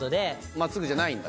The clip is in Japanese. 真っすぐじゃないんだ。